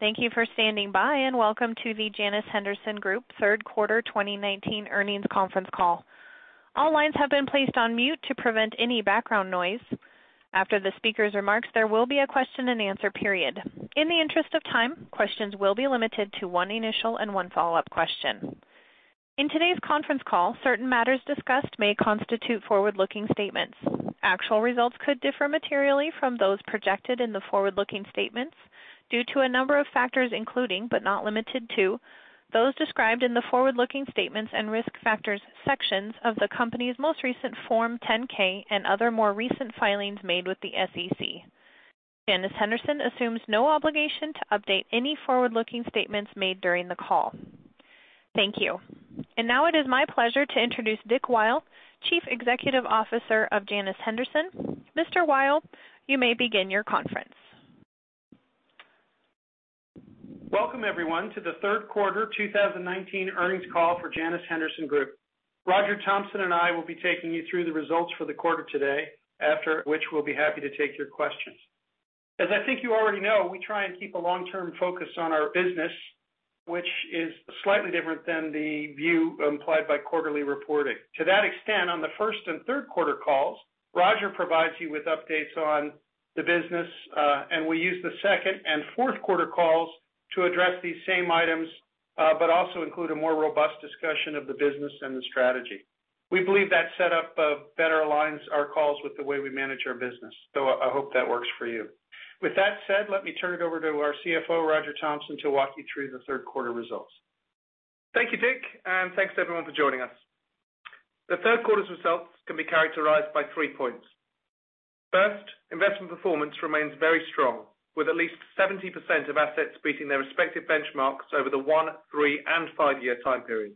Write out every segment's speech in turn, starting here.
Thank you for standing by, and welcome to the Janus Henderson Group 3rd quarter 2019 earnings conference call. All lines have been placed on mute to prevent any background noise. After the speaker's remarks, there will be a question and answer period. In the interest of time, questions will be limited to one initial and one follow-up question. In today's conference call, certain matters discussed may constitute forward-looking statements. Actual results could differ materially from those projected in the forward-looking statements due to a number of factors, including, but not limited to, those described in the forward-looking statements and risk factors sections of the company's most recent Form 10-K and other more recent filings made with the SEC. Janus Henderson assumes no obligation to update any forward-looking statements made during the call. Thank you. Now it is my pleasure to introduce Dick Weil, Chief Executive Officer of Janus Henderson. Mr. Weil, you may begin your conference. Welcome, everyone, to the third quarter 2019 earnings call for Janus Henderson Group. Roger Thompson and I will be taking you through the results for the quarter today, after which we'll be happy to take your questions. As I think you already know, we try and keep a long-term focus on our business, which is slightly different than the view implied by quarterly reporting. To that extent, on the first and third quarter calls, Roger provides you with updates on the business, and we use the second and fourth quarter calls to address these same items, but also include a more robust discussion of the business and the strategy. We believe that setup better aligns our calls with the way we manage our business. I hope that works for you. With that said, let me turn it over to our CFO, Roger Thompson, to walk you through the third quarter results. Thank you, Dick, and thanks everyone for joining us. The third quarter's results can be characterized by three points. First, investment performance remains very strong, with at least 70% of assets beating their respective benchmarks over the one, three, and five-year time periods.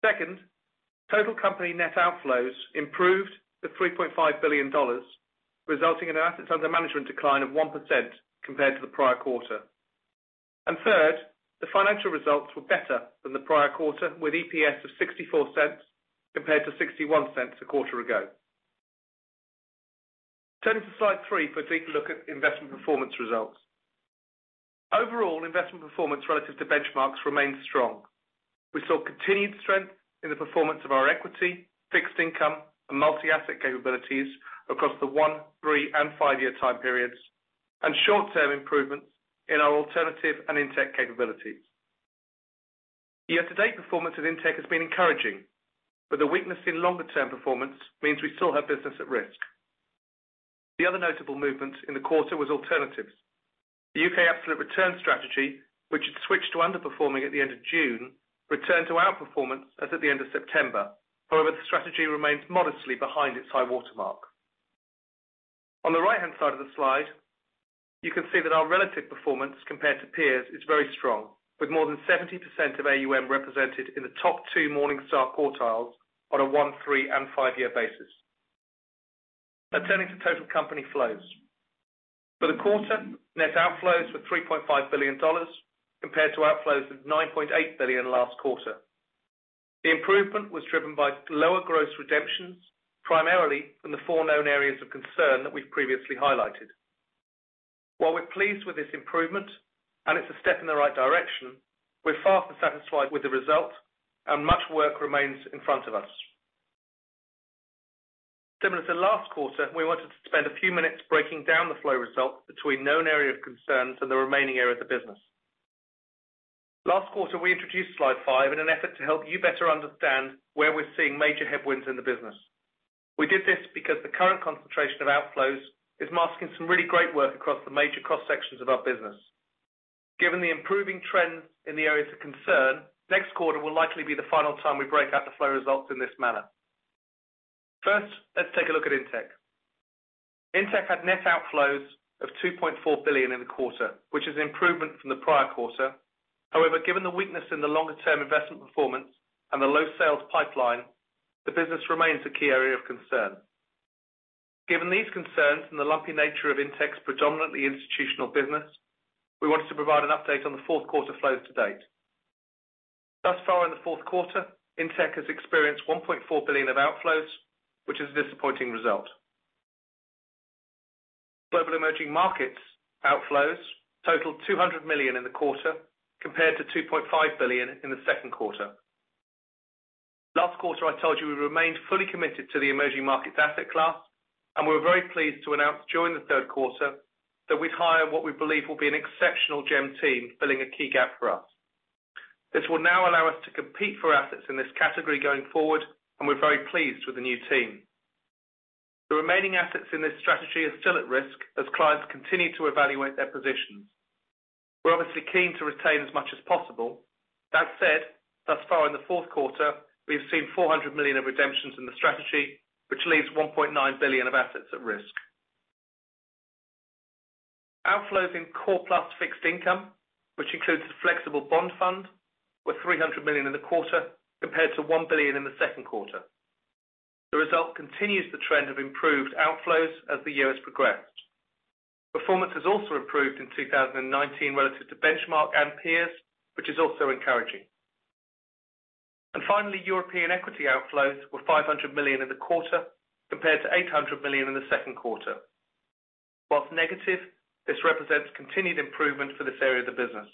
Second, total company net outflows improved to $3.5 billion, resulting in an assets under management decline of 1% compared to the prior quarter. Third, the financial results were better than the prior quarter, with EPS of $0.64 compared to $0.61 a quarter ago. Turning to slide three for a deeper look at investment performance results. Overall, investment performance relative to benchmarks remains strong. We saw continued strength in the performance of our equity, fixed income, and multi-asset capabilities across the one, three, and five-year time periods, and short-term improvements in our alternative and Intech capabilities. Year-to-date performance at Intech has been encouraging, but the weakness in longer-term performance means we still have business at risk. The other notable movement in the quarter was alternatives. The UK absolute return strategy, which had switched to underperforming at the end of June, returned to outperformance as at the end of September. However, the strategy remains modestly behind its high-water mark. On the right-hand side of the slide, you can see that our relative performance compared to peers is very strong, with more than 70% of AUM represented in the top two Morningstar quartiles on a one, three, and five-year basis. Turning to total company flows. For the quarter, net outflows were GBP 3.5 billion compared to outflows of 9.8 billion last quarter. The improvement was driven by lower gross redemptions, primarily from the four known areas of concern that we've previously highlighted. While we're pleased with this improvement, and it's a step in the right direction, we're far from satisfied with the result and much work remains in front of us. Similar to last quarter, we wanted to spend a few minutes breaking down the flow result between known areas of concern and the remaining areas of business. Last quarter, we introduced slide five in an effort to help you better understand where we're seeing major headwinds in the business. We did this because the current concentration of outflows is masking some really great work across the major cost sections of our business. Given the improving trends in the areas of concern, next quarter will likely be the final time we break out the flow results in this manner. First, let's take a look at Intech. Intech had net outflows of $2.4 billion in the quarter, which is an improvement from the prior quarter. Given the weakness in the longer-term investment performance and the low sales pipeline, the business remains a key area of concern. Given these concerns and the lumpy nature of Intech's predominantly institutional business, we wanted to provide an update on the fourth quarter flows to date. In the fourth quarter, Intech has experienced $1.4 billion of outflows, which is a disappointing result. Global Emerging Markets outflows totaled $200 million in the quarter, compared to $2.5 billion in the second quarter. Last quarter, I told you we remained fully committed to the emerging markets asset class, we're very pleased to announce during the third quarter that we'd hired what we believe will be an exceptional GEM team filling a key gap for us. This will now allow us to compete for assets in this category going forward, and we're very pleased with the new team. The remaining assets in this strategy are still at risk as clients continue to evaluate their positions. We're obviously keen to retain as much as possible. That said, thus far in the fourth quarter, we've seen $400 million of redemptions in the strategy, which leaves $1.9 billion of assets at risk. Outflows in Core Plus Fixed Income, which includes the Flexible Bond Fund, were $300 million in the quarter compared to $1 billion in the second quarter. The result continues the trend of improved outflows as the year has progressed. Performance has also improved in 2019 relative to benchmark and peers, which is also encouraging. Finally, European equity outflows were $500 million in the quarter compared to $800 million in the second quarter. Whilst negative, this represents continued improvement for this area of the business.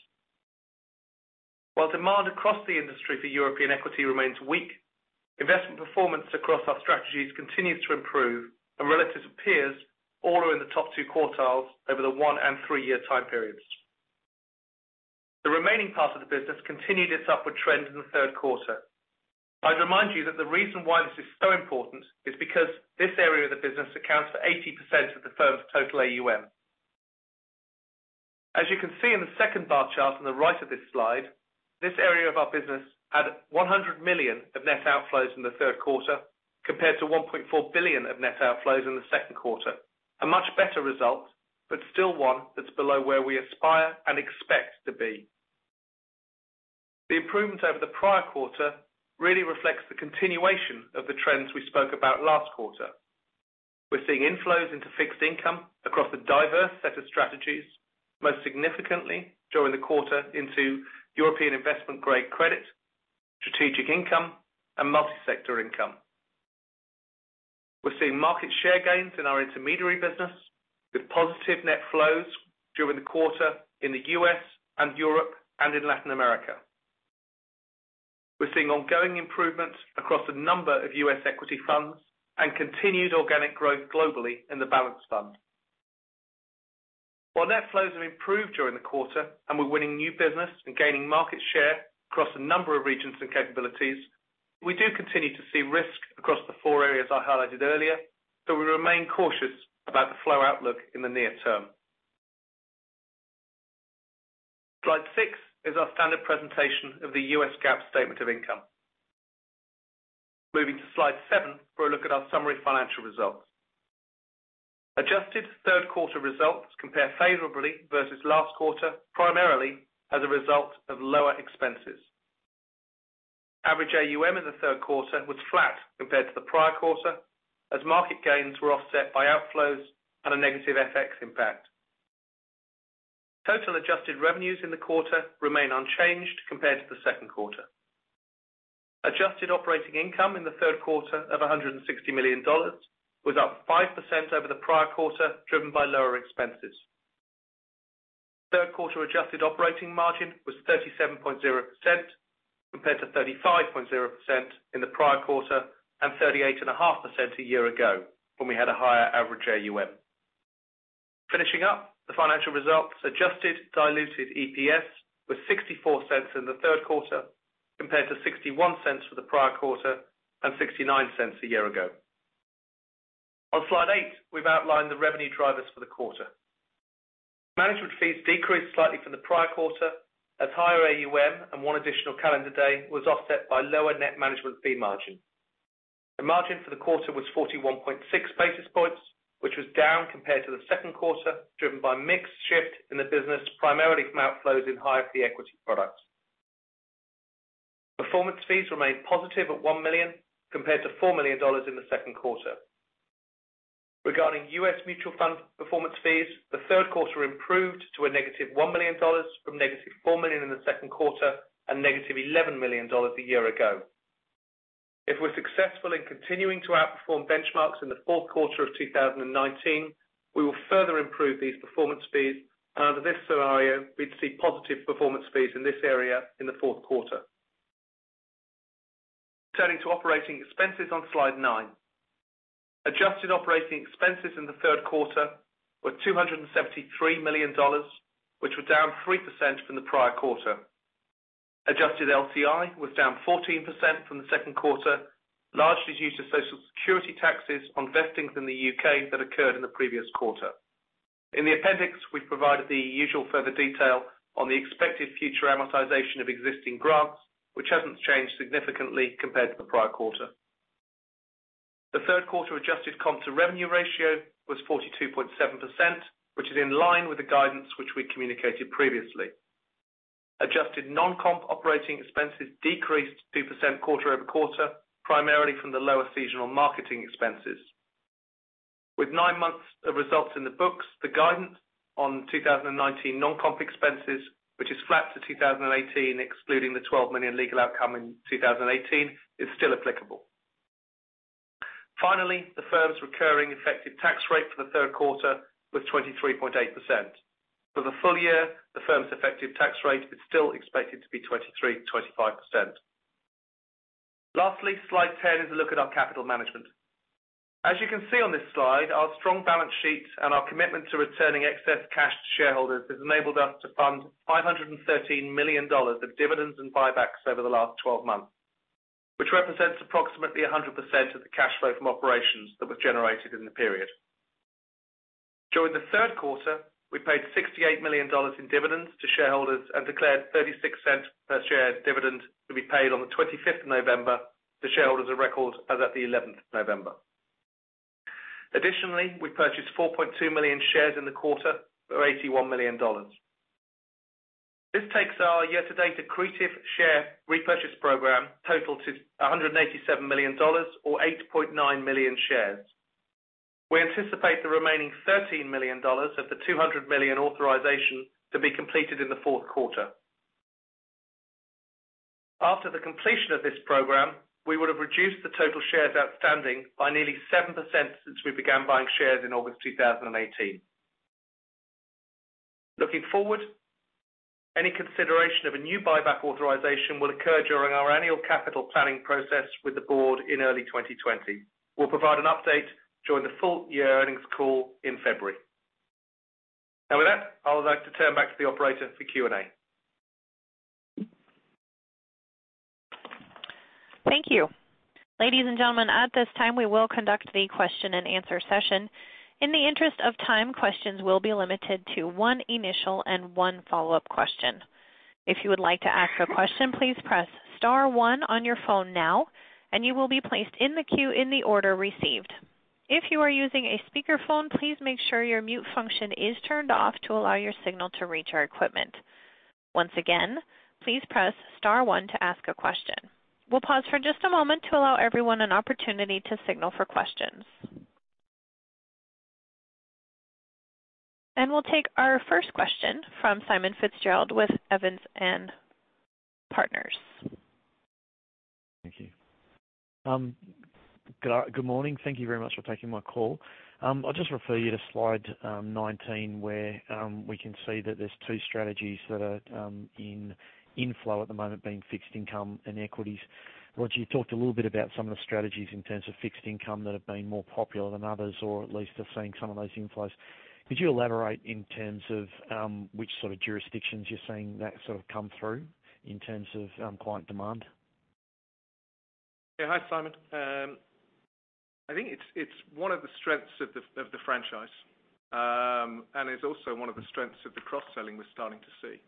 While demand across the industry for European equity remains weak, investment performance across our strategies continues to improve and relative to peers, all are in the top two quartiles over the one and three-year time periods. The remaining part of the business continued its upward trend in the third quarter. I'd remind you that the reason why this is so important is because this area of the business accounts for 80% of the firm's total AUM. As you can see in the second bar chart on the right of this slide, this area of our business had $100 million of net outflows in the third quarter, compared to $1.4 billion of net outflows in the second quarter. A much better result, but still one that's below where we aspire and expect to be. The improvement over the prior quarter really reflects the continuation of the trends we spoke about last quarter. We're seeing inflows into fixed income across a diverse set of strategies, most significantly during the quarter into European Investment Grade Credit, Strategic Income, and Multi-Sector Income. We're seeing market share gains in our intermediary business, with positive net flows during the quarter in the U.S., and Europe, and in Latin America. We're seeing ongoing improvements across a number of U.S. equity funds and continued organic growth globally in the Balanced Fund. While net flows have improved during the quarter and we're winning new business and gaining market share across a number of regions and capabilities, we do continue to see risk across the four areas I highlighted earlier, so we remain cautious about the flow outlook in the near term. Slide six is our standard presentation of the U.S. GAAP statement of income. Moving to slide seven for a look at our summary financial results. Adjusted third quarter results compare favorably versus last quarter, primarily as a result of lower expenses. Average AUM in the third quarter was flat compared to the prior quarter, as market gains were offset by outflows and a negative FX impact. Total adjusted revenues in the quarter remain unchanged compared to the second quarter. Adjusted operating income in the third quarter of $160 million was up 5% over the prior quarter, driven by lower expenses. Third quarter adjusted operating margin was 37.0% compared to 35.0% in the prior quarter and 38.5% a year ago when we had a higher average AUM. Finishing up the financial results, adjusted diluted EPS was $0.64 in the third quarter compared to $0.61 for the prior quarter and $0.69 a year ago. On slide eight, we've outlined the revenue drivers for the quarter. Management fees decreased slightly from the prior quarter as higher AUM and one additional calendar day was offset by lower net management fee margin. The margin for the quarter was 41.6 basis points, which was down compared to the second quarter, driven by mix shift in the business primarily from outflows in high fee equity products. Performance fees remained positive at $1 million compared to $4 million in the second quarter. Regarding U.S. mutual fund performance fees, the third quarter improved to a negative $1 million from negative $4 million in the second quarter and negative $11 million a year ago. If we're successful in continuing to outperform benchmarks in the fourth quarter of 2019, we will further improve these performance fees. Under this scenario, we'd see positive performance fees in this area in the fourth quarter. Turning to operating expenses on slide nine. Adjusted operating expenses in the third quarter were $273 million, which were down 3% from the prior quarter. Adjusted LTI was down 14% from the second quarter, largely due to Social Security taxes on vestings in the U.K. that occurred in the previous quarter. In the appendix, we provided the usual further detail on the expected future amortization of existing grants, which hasn't changed significantly compared to the prior quarter. The third quarter adjusted comp to revenue ratio was 42.7%, which is in line with the guidance which we communicated previously. Adjusted non-comp operating expenses decreased 2% quarter-over-quarter, primarily from the lower seasonal marketing expenses. With nine months of results in the books, the guidance on 2019 non-comp expenses, which is flat to 2018, excluding the $12 million legal outcome in 2018, is still applicable. The firm's recurring effective tax rate for the third quarter was 23.8%. For the full year, the firm's effective tax rate is still expected to be 23%-25%. Slide 10 is a look at our capital management. As you can see on this slide, our strong balance sheet and our commitment to returning excess cash to shareholders has enabled us to fund $513 million of dividends and buybacks over the last 12 months, which represents approximately 100% of the cash flow from operations that were generated in the period. During the third quarter, we paid $68 million in dividends to shareholders and declared $0.36 per share dividend to be paid on the 25th of November to shareholders of record as at the 11th of November. We purchased 4.2 million shares in the quarter for $81 million. This takes our year-to-date accretive share repurchase program total to $187 million or 8.9 million shares. We anticipate the remaining $13 million of the $200 million authorization to be completed in the fourth quarter. After the completion of this program, we would have reduced the total shares outstanding by nearly 7% since we began buying shares in August 2018. Looking forward, any consideration of a new buyback authorization will occur during our annual capital planning process with the board in early 2020. We'll provide an update during the full-year earnings call in February. With that, I would like to turn back to the operator for Q&A. Thank you. Ladies and gentlemen, at this time we will conduct the question and answer session. In the interest of time, questions will be limited to one initial and one follow-up question. If you would like to ask a question, please press star one on your phone now, and you will be placed in the queue in the order received. If you are using a speakerphone, please make sure your mute function is turned off to allow your signal to reach our equipment. Once again, please press star one to ask a question. We'll pause for just a moment to allow everyone an opportunity to signal for questions. We'll take our first question from Simon Fitzgerald with Evans & Partners. Thank you. Good morning. Thank you very much for taking my call. I'll just refer you to slide 19, where we can see that there's two strategies that are in inflow at the moment being fixed income and equities. Roger, you talked a little bit about some of the strategies in terms of fixed income that have been more popular than others, or at least are seeing some of those inflows. Could you elaborate in terms of which sort of jurisdictions you're seeing that sort of come through in terms of client demand? Yeah. Hi, Simon. I think it's one of the strengths of the franchise, and it's also one of the strengths of the cross-selling we're starting to see.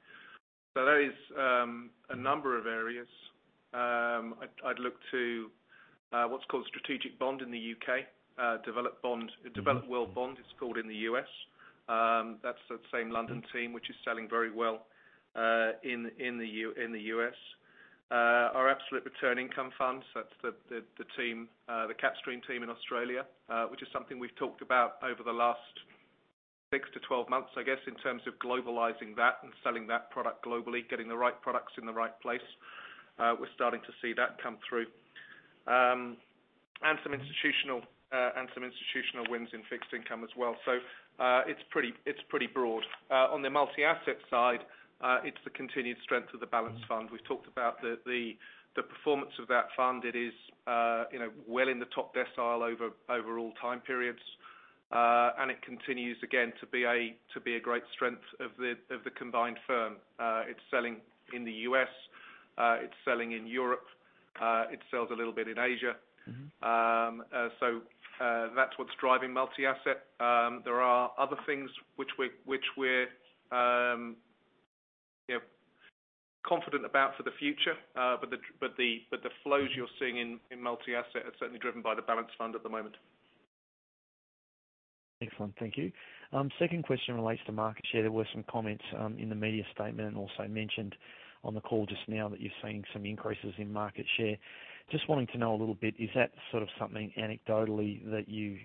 There is a number of areas. I'd look to what's called Strategic Bond in the U.K., Developed World Bond, it's called in the U.S. That's the same London team, which is selling very well in the U.S. Our Absolute Return Income funds, that's the Kapstream team in Australia, which is something we've talked about over the last six to 12 months, I guess, in terms of globalizing that and selling that product globally, getting the right products in the right place. We're starting to see that come through. Some institutional wins in fixed income as well. It's pretty broad. On the multi-asset side, it's the continued strength of the Balanced Fund. We've talked about the performance of that fund. It is well in the top decile over all time periods. It continues, again, to be a great strength of the combined firm. It's selling in the U.S., it's selling in Europe, it sells a little bit in Asia. That's what's driving Multi-Asset. There are other things which we're confident about for the future. The flows you're seeing in Multi-Asset are certainly driven by the Balanced Fund at the moment. Excellent. Thank you. Second question relates to market share. There were some comments in the media statement, and also mentioned on the call just now, that you're seeing some increases in market share. Just wanting to know a little bit, is that sort of something anecdotally that you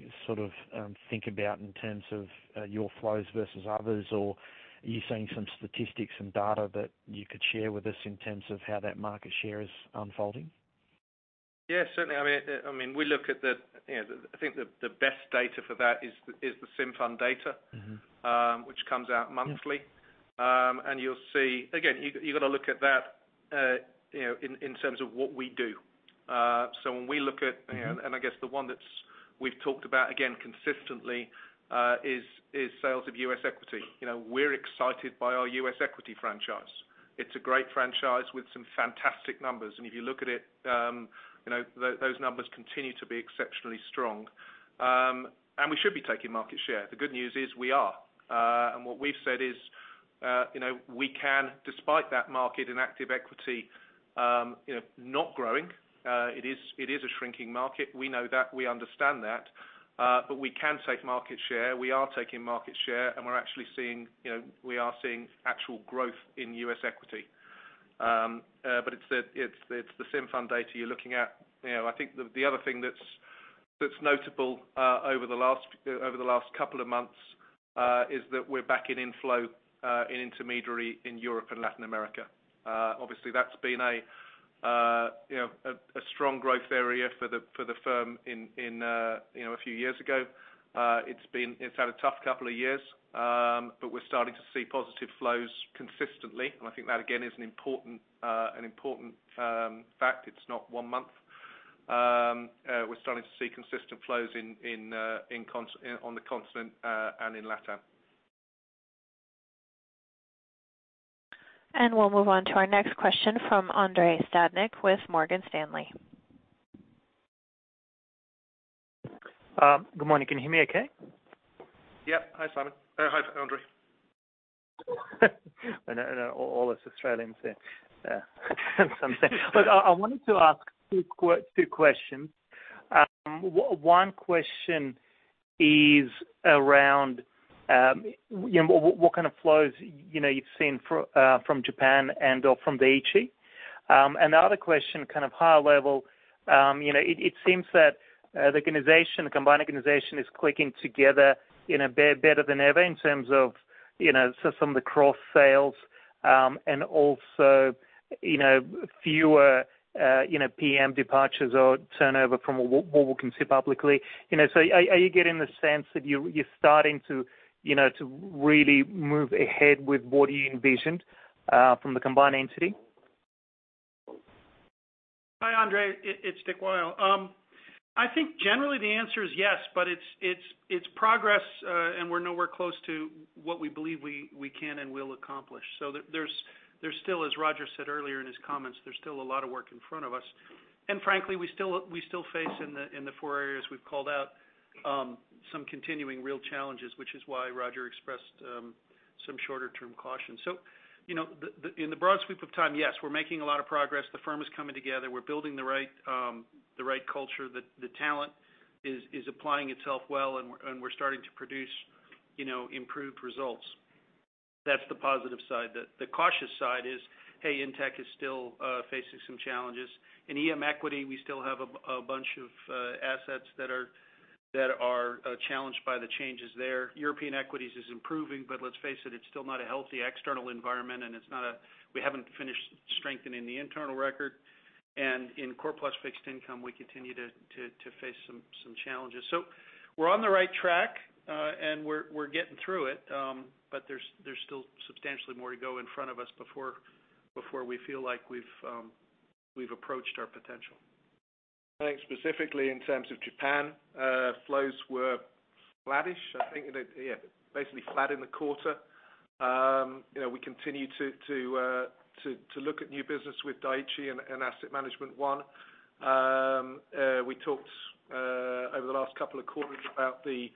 think about in terms of your flows versus others, or are you seeing some statistics and data that you could share with us in terms of how that market share is unfolding? Certainly. I think the best data for that is the Simfund data. which comes out monthly. Again, you got to look at that in terms of what we do. I guess the one that we've talked about again consistently, is sales of U.S. equity. We're excited by our U.S. equity franchise. It's a great franchise with some fantastic numbers. If you look at it, those numbers continue to be exceptionally strong. We should be taking market share. The good news is we are. What we've said is, despite that market in active equity not growing, it is a shrinking market. We know that, we understand that. We can take market share. We are taking market share, and we are seeing actual growth in U.S. equity. It's the Simfund data you're looking at. I think the other thing that's notable over the last couple of months, is that we're back in inflow in intermediary in Europe and Latin America. Obviously, that's been a strong growth area for the firm a few years ago. It's had a tough couple of years, but we're starting to see positive flows consistently. I think that, again, is an important fact. It's not one month. We're starting to see consistent flows on the continent and in LatAm. We'll move on to our next question from Andrei Stadnik with Morgan Stanley. Good morning. Can you hear me okay? Yep. Hi, Simon. Hi, Andrei. All us Australians there. Look, I wanted to ask two questions. One question is around what kind of flows you've seen from Japan and/or from Daiichi. The other question, kind of high level. It seems that the combined organization is clicking together better than ever in terms of some of the cross sales, and also fewer PM departures or turnover from what we can see publicly. Are you getting the sense that you're starting to really move ahead with what you envisioned from the combined entity? Hi, Andrei. It's Dick Weil. I think generally the answer is yes, but it's progress, and we're nowhere close to what we believe we can and will accomplish. There's still, as Roger said earlier in his comments, there's still a lot of work in front of us. Frankly, we still face in the four areas we've called out some continuing real challenges, which is why Roger expressed some shorter-term caution. In the broad sweep of time, yes, we're making a lot of progress. The firm is coming together. We're building the right culture. The talent is applying itself well, and we're starting to produce improved results. That's the positive side. The cautious side is, hey, Intech is still facing some challenges. In EM equity, we still have a bunch of assets that are challenged by the changes there. European equities is improving, let's face it's still not a healthy external environment, and we haven't finished strengthening the internal record. In Core Plus Fixed Income, we continue to face some challenges. We're on the right track, and we're getting through it. There's still substantially more to go in front of us before we feel like we've approached our potential. I think specifically in terms of Japan, flows were flattish. I think, yeah, basically flat in the quarter. We continue to look at new business with Daiichi and Asset Management One. We talked over the last couple of quarters about the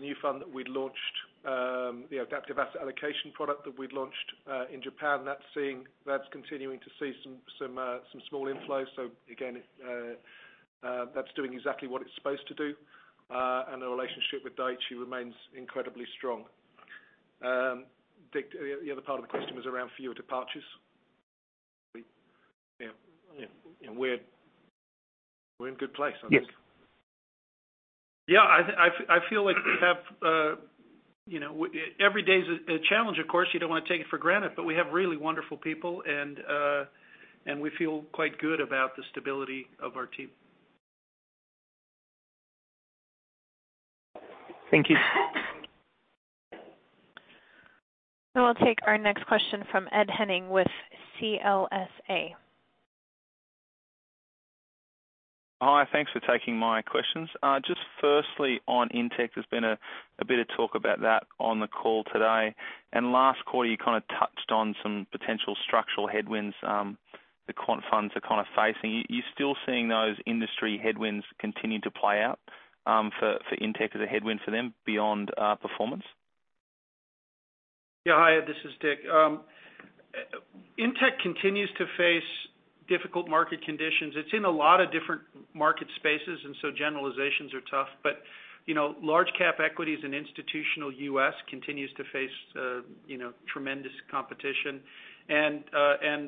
new fund that we'd launched, the adaptive asset allocation product that we'd launched in Japan. That's continuing to see some small inflows. Again that's doing exactly what it's supposed to do. The relationship with Daiichi remains incredibly strong. Dick, the other part of the question was around fewer departures. We're in a good place, I think. Yes. Yeah, I feel like every day is a challenge, of course. You don't want to take it for granted. We have really wonderful people, and we feel quite good about the stability of our team. Thank you. We'll take our next question from Ed Henning with CLSA. Hi, thanks for taking my questions. Just firstly on Intech, there's been a bit of talk about that on the call today, and last quarter you kind of touched on some potential structural headwinds the quant funds are kind of facing. Are you still seeing those industry headwinds continue to play out for Intech as a headwind for them beyond performance? Hi, Ed, this is Dick. Intech continues to face difficult market conditions. It's in a lot of different market spaces, and so generalizations are tough. Large cap equities and institutional U.S. continues to face tremendous competition and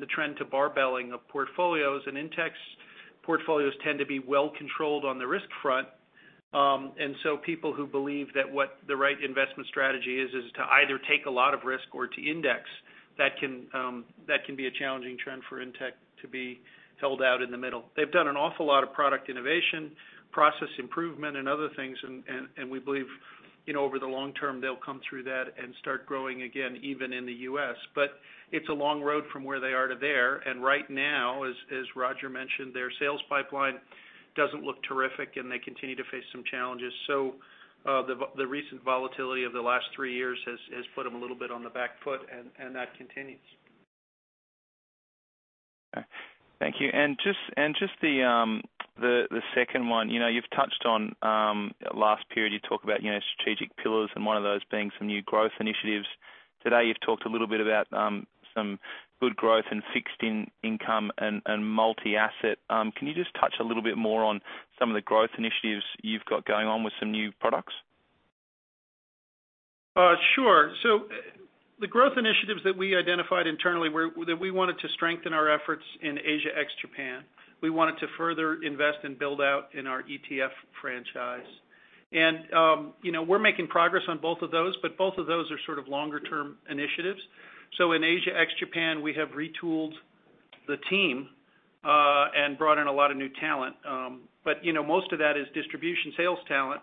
the trend to barbelling of portfolios. Intech's portfolios tend to be well-controlled on the risk front. People who believe that what the right investment strategy is to either take a lot of risk or to index, that can be a challenging trend for Intech to be held out in the middle. They've done an awful lot of product innovation, process improvement and other things, and we believe over the long term they'll come through that and start growing again, even in the U.S. It's a long road from where they are to there. Right now, as Roger mentioned, their sales pipeline doesn't look terrific, and they continue to face some challenges. The recent volatility of the last three years has put them a little bit on the back foot, and that continues. Thank you. Just the second one. You've touched on last period, you talked about strategic pillars and one of those being some new growth initiatives. Today you've talked a little bit about some good growth in fixed income and multi-asset. Can you just touch a little bit more on some of the growth initiatives you've got going on with some new products? Sure. The growth initiatives that we identified internally were that we wanted to strengthen our efforts in Asia ex Japan. We wanted to further invest and build out in our ETF franchise. We're making progress on both of those, but both of those are sort of longer-term initiatives. In Asia ex Japan, we have retooled the team and brought in a lot of new talent. Most of that is distribution sales talent,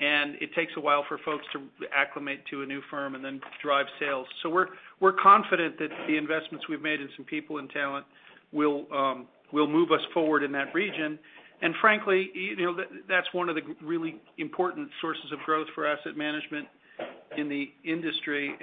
and it takes a while for folks to acclimate to a new firm and then drive sales. We're confident that the investments we've made in some people and talent will move us forward in that region. Frankly, that's one of the really important sources of growth for asset management in the industry,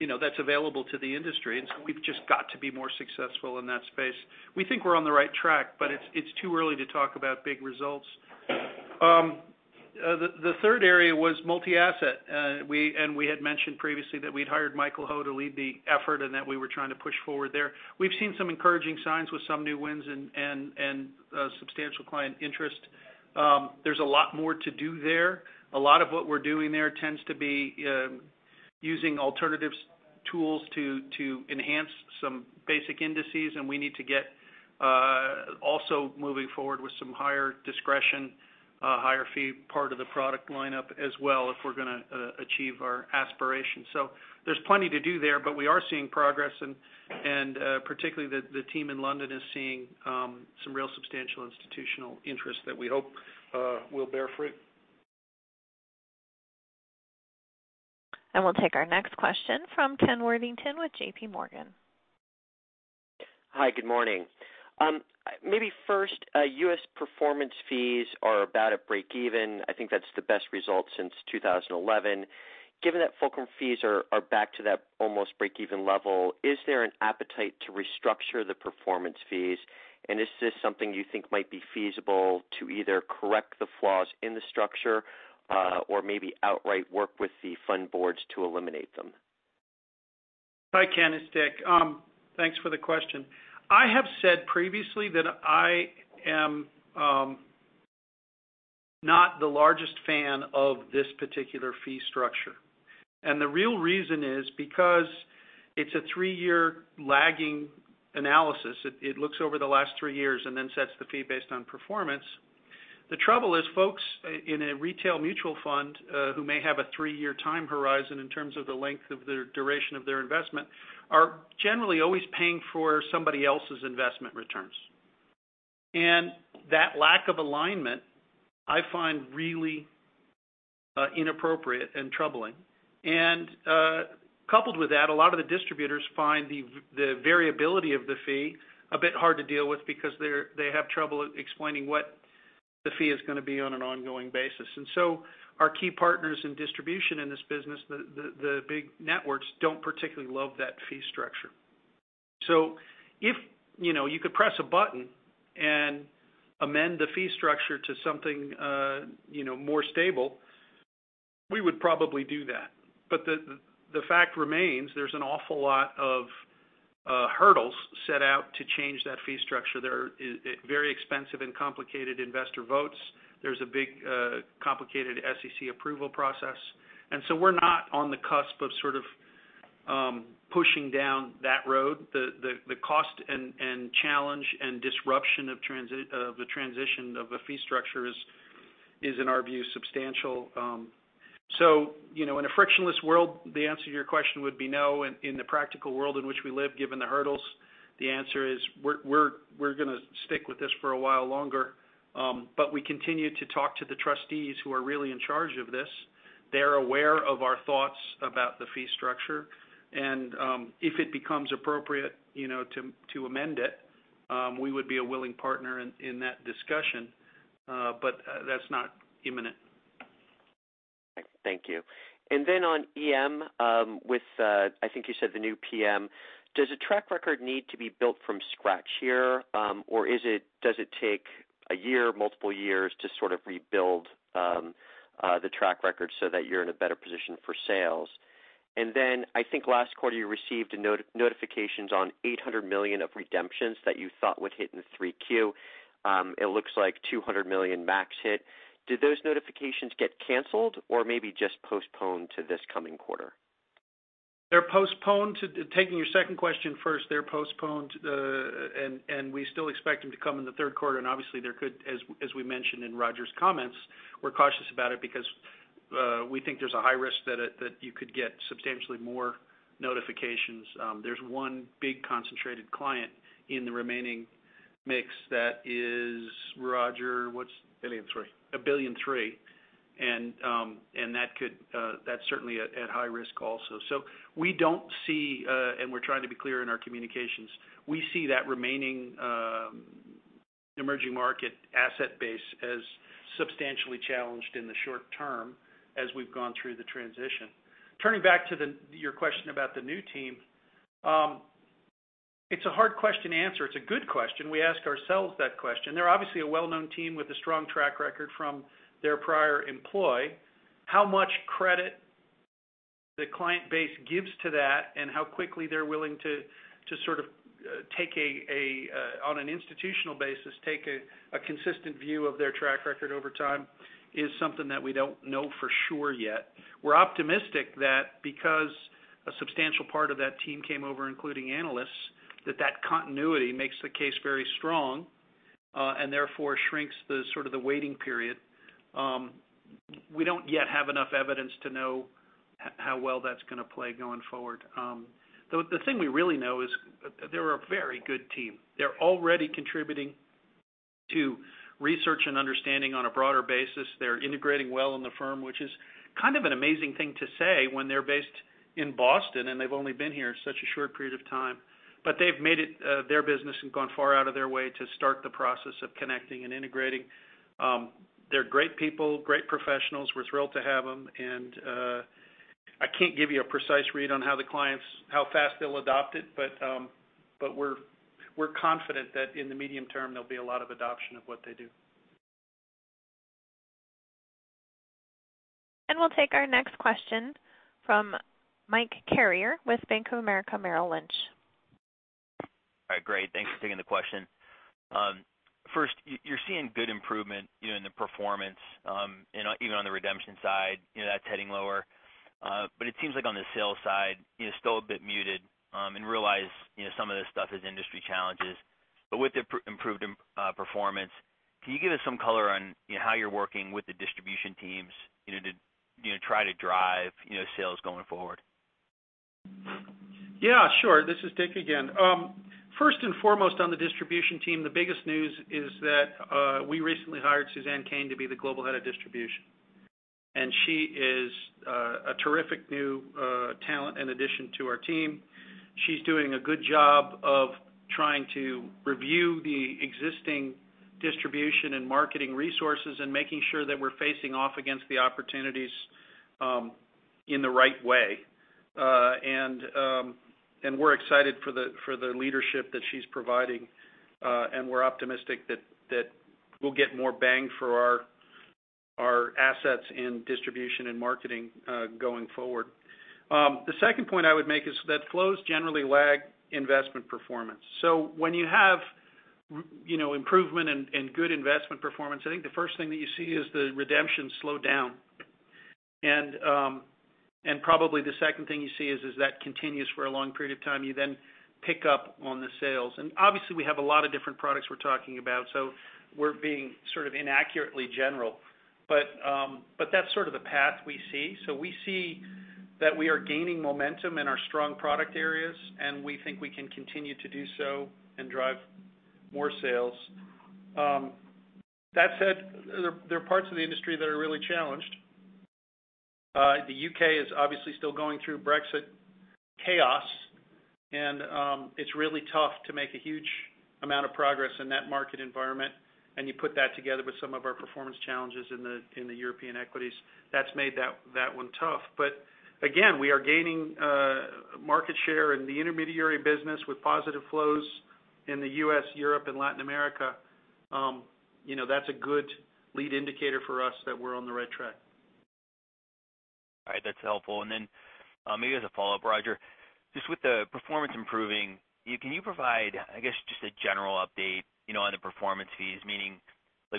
and that's available to the industry. We've just got to be more successful in that space. We think we're on the right track, but it's too early to talk about big results. The third area was multi-asset. We had mentioned previously that we'd hired Michael Ho to lead the effort and that we were trying to push forward there. We've seen some encouraging signs with some new wins and substantial client interest. There's a lot more to do there. A lot of what we're doing there tends to be using alternatives tools to enhance some basic indices, and we need to get also moving forward with some higher discretion, higher fee part of the product lineup as well if we're going to achieve our aspirations. There's plenty to do there, but we are seeing progress and particularly the team in London is seeing some real substantial institutional interest that we hope will bear fruit. We'll take our next question from Ken Worthington with JPMorgan. Hi, good morning. Maybe first, U.S. performance fees are about at breakeven. I think that's the best result since 2011. Given that fulcrum fees are back to that almost breakeven level, is there an appetite to restructure the performance fees? Is this something you think might be feasible to either correct the flaws in the structure, or maybe outright work with the fund boards to eliminate them? Hi, Ken. It's Dick. Thanks for the question. I have said previously that I am not the largest fan of this particular fee structure. The real reason is because it's a three-year lagging analysis. It looks over the last three years and then sets the fee based on performance. The trouble is, folks in a retail mutual fund who may have a three-year time horizon in terms of the length of their duration of their investment, are generally always paying for somebody else's investment returns. That lack of alignment I find really inappropriate and troubling. Coupled with that, a lot of the distributors find the variability of the fee a bit hard to deal with because they have trouble explaining what the fee is going to be on an ongoing basis. Our key partners in distribution in this business, the big networks, don't particularly love that fee structure. If you could press a button and amend the fee structure to something more stable, we would probably do that. The fact remains there's an awful lot of hurdles set out to change that fee structure. There are very expensive and complicated investor votes. There's a big, complicated SEC approval process. We're not on the cusp of sort of pushing down that road. The cost and challenge and disruption of the transition of a fee structure is in our view, substantial. In a frictionless world, the answer to your question would be no. In the practical world in which we live, given the hurdles, the answer is we're going to stick with this for a while longer. We continue to talk to the trustees who are really in charge of this. They're aware of our thoughts about the fee structure, and if it becomes appropriate to amend it, we would be a willing partner in that discussion. That's not imminent. Thank you. On EM with, I think you said the new PM, does a track record need to be built from scratch here? Does it take a year, multiple years to sort of rebuild the track record so that you're in a better position for sales? I think last quarter you received notifications on $800 million of redemptions that you thought would hit in 3Q. It looks like $200 million max hit. Did those notifications get canceled or maybe just postponed to this coming quarter? Taking your second question first, they're postponed, and we still expect them to come in the third quarter, and obviously there could, as we mentioned in Roger's comments, we're cautious about it because we think there's a high risk that you could get substantially more notifications. There's one big concentrated client in the remaining mix that is, Roger. $1.3 billion. $1.3 billion. That's certainly at high risk also. We don't see, and we're trying to be clear in our communications. We see that remaining emerging market asset base as substantially challenged in the short term as we've gone through the transition. Turning back to your question about the new team. It's a hard question to answer. It's a good question. We ask ourselves that question. They're obviously a well-known team with a strong track record from their prior employ. How much credit the client base gives to that and how quickly they're willing to sort of, on an institutional basis, take a consistent view of their track record over time is something that we don't know for sure yet. We're optimistic that because a substantial part of that team came over, including analysts, that that continuity makes the case very strong. Therefore shrinks the sort of the waiting period. We don't yet have enough evidence to know how well that's going to play going forward. The thing we really know is they're a very good team. They're already contributing to research and understanding on a broader basis. They're integrating well in the firm, which is kind of an amazing thing to say when they're based in Boston and they've only been here such a short period of time. They've made it their business and gone far out of their way to start the process of connecting and integrating. They're great people, great professionals. We're thrilled to have them, and I can't give you a precise read on how the clients, how fast they'll adopt it, but we're confident that in the medium term, there'll be a lot of adoption of what they do. We'll take our next question from Michael Carrier with Bank of America Merrill Lynch. Great. Thanks for taking the question. First, you're seeing good improvement in the performance, even on the redemption side. That's heading lower. It seems like on the sales side, still a bit muted, and realize some of this stuff is industry challenges. With the improved performance, can you give us some color on how you're working with the distribution teams to try to drive sales going forward? Yeah, sure. This is Dick again. First and foremost on the distribution team, the biggest news is that we recently hired Suzanne Cain to be the Global Head of Distribution. She is a terrific new talent and addition to our team. She's doing a good job of trying to review the existing distribution and marketing resources and making sure that we're facing off against the opportunities in the right way. We're excited for the leadership that she's providing. We're optimistic that we'll get more bang for our assets in distribution and marketing going forward. The second point I would make is that flows generally lag investment performance. When you have improvement and good investment performance, I think the first thing that you see is the redemptions slow down. Probably the second thing you see is as that continues for a long period of time, you then pick up on the sales. Obviously we have a lot of different products we're talking about, so we're being inaccurately general. That's sort of the path we see. We see that we are gaining momentum in our strong product areas, and we think we can continue to do so and drive more sales. That said, there are parts of the industry that are really challenged. The U.K. is obviously still going through Brexit chaos, and it's really tough to make a huge amount of progress in that market environment. You put that together with some of our performance challenges in the European equities. That's made that one tough. Again, we are gaining market share in the intermediary business with positive flows in the U.S., Europe, and Latin America. That's a good lead indicator for us that we're on the right track. All right. That's helpful. Maybe as a follow-up, Roger, just with the performance improving, can you provide, I guess, just a general update on the performance fees? Meaning,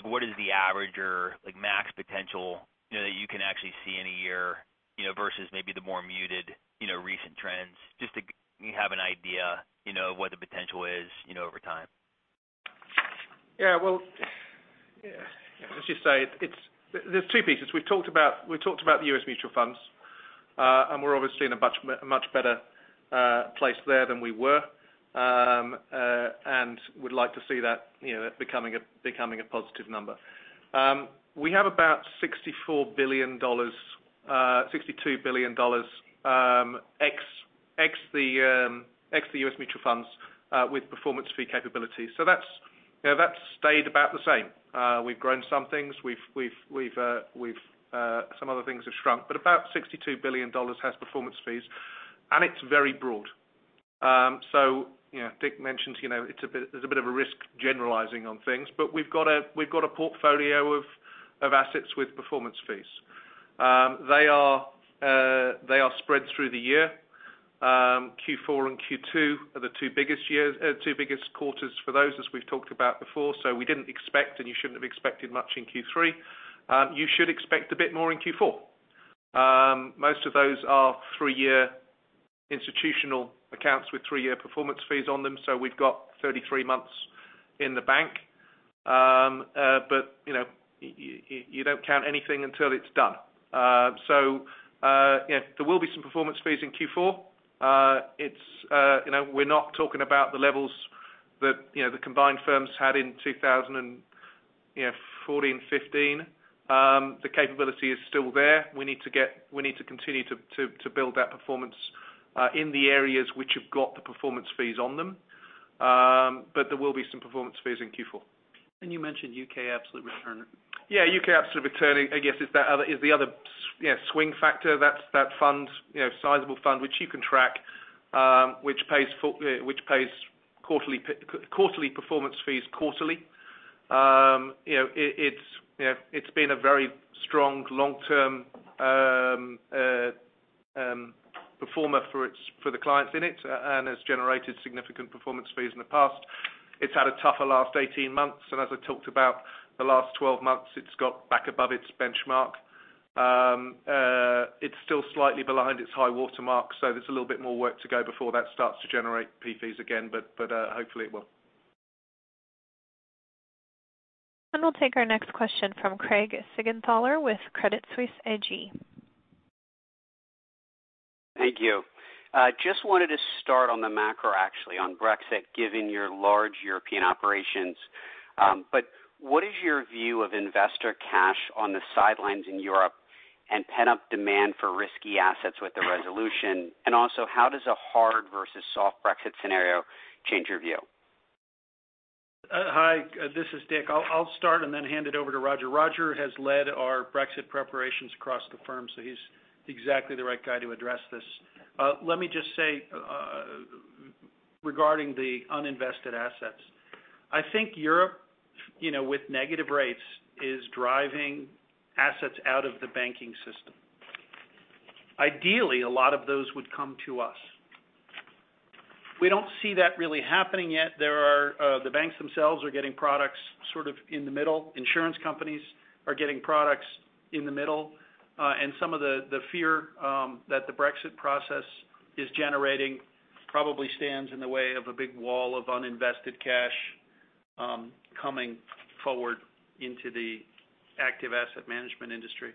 what is the average or max potential that you can actually see in a year versus maybe the more muted recent trends? Just to have an idea of what the potential is over time. Well, let's just say there's two pieces. We've talked about the U.S. mutual funds. We're obviously in a much better place there than we were. Would like to see that becoming a positive number. We have about $62 billion, ex the U.S. mutual funds, with performance fee capabilities. That's stayed about the same. We've grown some things. Some other things have shrunk. About $62 billion has performance fees, and it's very broad. Dick mentioned there's a bit of a risk generalizing on things, but we've got a portfolio of assets with performance fees. They are spread through the year. Q4 and Q2 are the two biggest quarters for those, as we've talked about before. We didn't expect, and you shouldn't have expected much in Q3. You should expect a bit more in Q4. Most of those are 3-year institutional accounts with 3-year performance fees on them. We've got 33 months in the bank. You don't count anything until it's done. There will be some performance fees in Q4. We're not talking about the levels that the combined firms had in 2014, 2015. The capability is still there. We need to continue to build that performance in the areas which have got the performance fees on them. There will be some performance fees in Q4. You mentioned U.K. absolute return. UK absolute return, I guess, is the other swing factor. That sizable fund, which you can track, which pays quarterly performance fees quarterly. It's been a very strong long-term performer for the clients in it and has generated significant performance fees in the past. It's had a tougher last 18 months, and as I talked about the last 12 months, it's got back above its benchmark. It's still slightly behind its high-water mark, so there's a little bit more work to go before that starts to generate P fees again, but hopefully it will. We'll take our next question from Craig Siegenthaler with Credit Suisse AG. Thank you. Just wanted to start on the macro actually, on Brexit, given your large European operations. What is your view of investor cash on the sidelines in Europe and pent-up demand for risky assets with the resolution? Also, how does a hard versus soft Brexit scenario change your view? Hi, this is Dick. I'll start and then hand it over to Roger. Roger has led our Brexit preparations across the firm, so he's exactly the right guy to address this. Let me just say, regarding the uninvested assets. I think Europe, with negative rates, is driving assets out of the banking system. Ideally, a lot of those would come to us. We don't see that really happening yet. The banks themselves are getting products sort of in the middle. Insurance companies are getting products in the middle. Some of the fear that the Brexit process is generating probably stands in the way of a big wall of uninvested cash coming forward into the active asset management industry.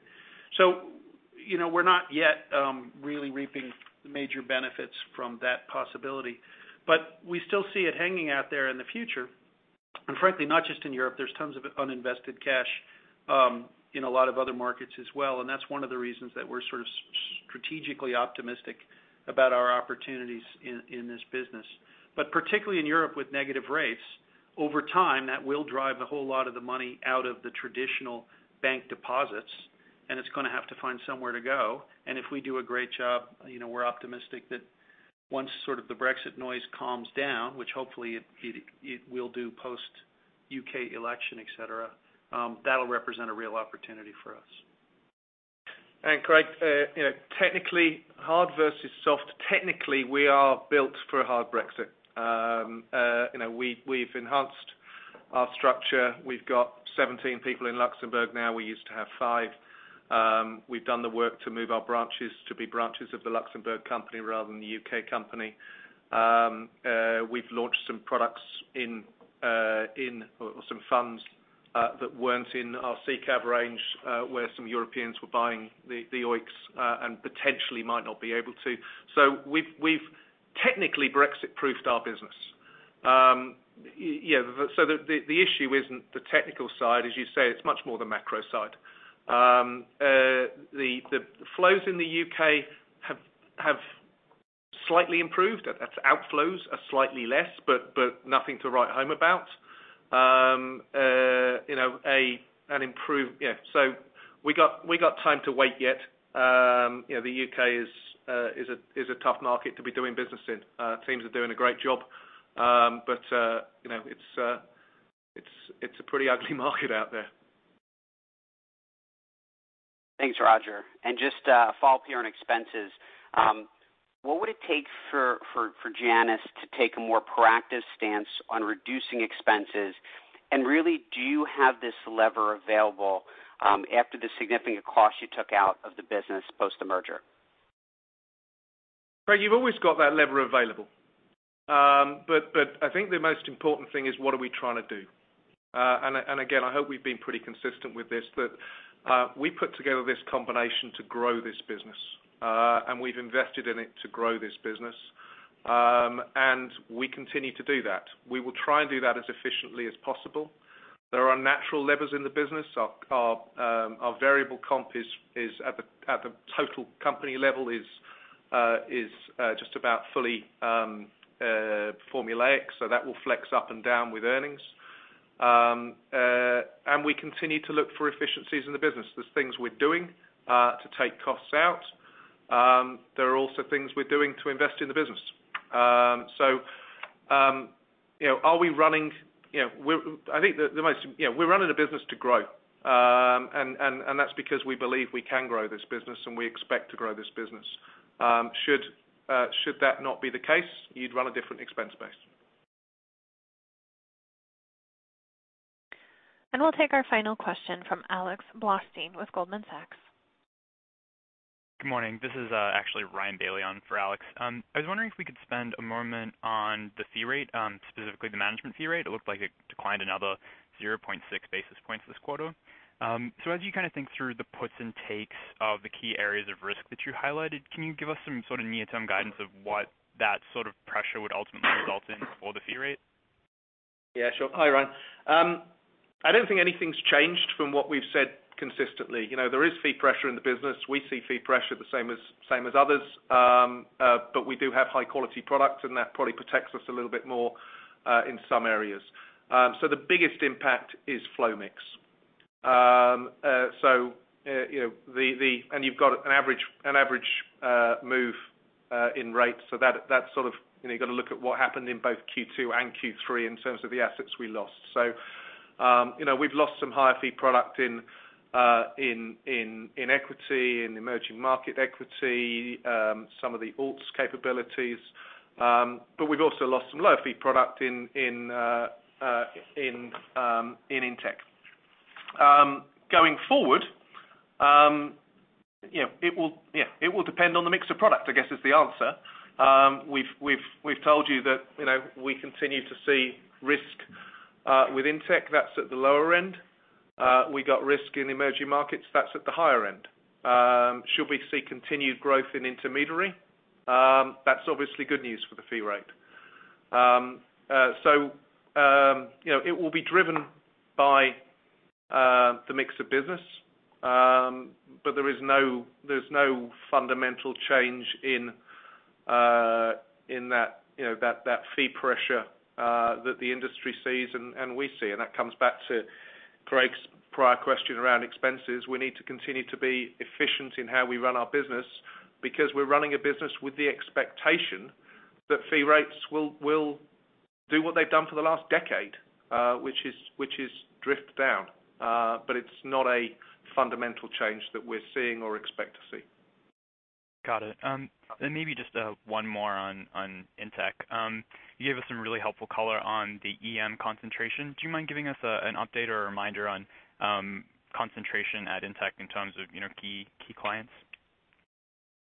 We're not yet really reaping major benefits from that possibility. We still see it hanging out there in the future, and frankly, not just in Europe. There's tons of uninvested cash in a lot of other markets as well, and that's one of the reasons that we're sort of strategically optimistic about our opportunities in this business. Particularly in Europe with negative rates, over time, that will drive a whole lot of the money out of the traditional bank deposits, and it's going to have to find somewhere to go. If we do a great job, we're optimistic that once sort of the Brexit noise calms down, which hopefully it will do post U.K. election, et cetera, that'll represent a real opportunity for us. Craig, technically hard versus soft. Technically, we are built for a hard Brexit. We've enhanced our structure. We've got 17 people in Luxembourg now. We used to have five. We've done the work to move our branches to be branches of the Luxembourg company rather than the U.K. company. We've launched some products or some funds that weren't in our SICAV range where some Europeans were buying the OEICs and potentially might not be able to. We've technically Brexit-proofed our business. The issue isn't the technical side, as you say, it's much more the macro side. The flows in the U.K. have slightly improved. That's outflows are slightly less, but nothing to write home about. We got time to wait yet. The U.K. is a tough market to be doing business in. Teams are doing a great job. It's a pretty ugly market out there. Thanks, Roger. Just a follow-up here on expenses. What would it take for Janus to take a more proactive stance on reducing expenses? Really, do you have this lever available after the significant cost you took out of the business post the merger? Craig, you've always got that lever available. I think the most important thing is what are we trying to do? Again, I hope we've been pretty consistent with this, but we put together this combination to grow this business. We've invested in it to grow this business. We continue to do that. We will try and do that as efficiently as possible. There are natural levers in the business. Our variable comp at the total company level is just about fully formulaic, so that will flex up and down with earnings. We continue to look for efficiencies in the business. There's things we're doing to take costs out. There are also things we're doing to invest in the business. We're running a business to grow. That's because we believe we can grow this business and we expect to grow this business. Should that not be the case, you'd run a different expense base. We'll take our final question from Alex Blostein with Goldman Sachs. Good morning. This is actually Ryan Bailey on for Alex. I was wondering if we could spend a moment on the fee rate, specifically the management fee rate. It looked like it declined another 0.6 basis points this quarter. As you kind of think through the puts and takes of the key areas of risk that you highlighted, can you give us some sort of near-term guidance of what that sort of pressure would ultimately result in for the fee rate? Yeah, sure. Hi, Ryan. I don't think anything's changed from what we've said consistently. There is fee pressure in the business. We see fee pressure the same as others. We do have high-quality product, and that probably protects us a little bit more in some areas. The biggest impact is flow mix. You've got an average move in rates. You got to look at what happened in both Q2 and Q3 in terms of the assets we lost. We've lost some higher fee product in equity, in emerging market equity, some of the alts capabilities. We've also lost some low fee product in Intech. Going forward, it will depend on the mix of product, I guess, is the answer. We've told you that we continue to see risk with Intech that's at the lower end. We got risk in emerging markets that's at the higher end. Should we see continued growth in intermediary? That's obviously good news for the fee rate. It will be driven by the mix of business. There's no fundamental change in that fee pressure that the industry sees and we see. That comes back to Craig's prior question around expenses. We need to continue to be efficient in how we run our business because we're running a business with the expectation that fee rates will do what they've done for the last decade, which is drift down. It's not a fundamental change that we're seeing or expect to see. Got it. Maybe just one more on Intech. You gave us some really helpful color on the EM concentration. Do you mind giving us an update or a reminder on concentration at Intech in terms of key clients?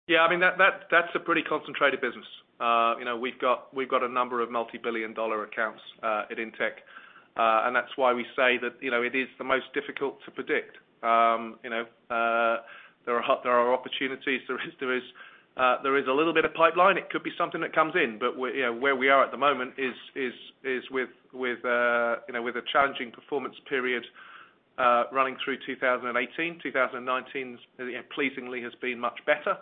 That's a pretty concentrated business. We've got a number of multi-billion dollar accounts at Intech, that's why we say that it is the most difficult to predict. There are opportunities. There is a little bit of pipeline. It could be something that comes in, where we are at the moment is with a challenging performance period running through 2018. 2019 pleasingly has been much better.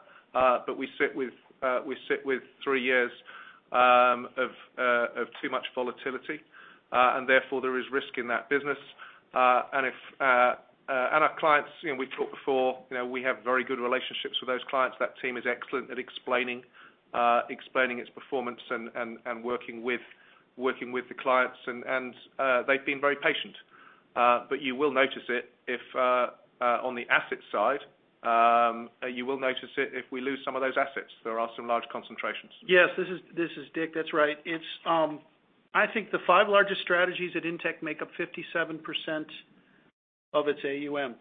We sit with three years of too much volatility, therefore there is risk in that business. Our clients, we've talked before, we have very good relationships with those clients. That team is excellent at explaining its performance and working with the clients, they've been very patient. You will notice it if on the asset side, you will notice it if we lose some of those assets. There are some large concentrations. Yes, this is Dick. That's right. I think the five largest strategies at Intech make up 57% of its AUM.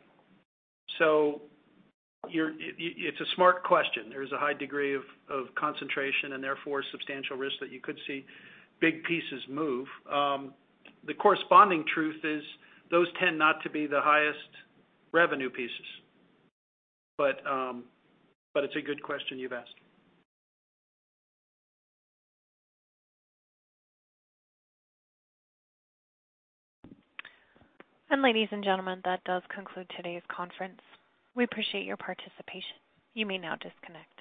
It's a smart question. There is a high degree of concentration and therefore substantial risk that you could see big pieces move. The corresponding truth is those tend not to be the highest revenue pieces. It's a good question you've asked. Ladies and gentlemen, that does conclude today's conference. We appreciate your participation. You may now disconnect.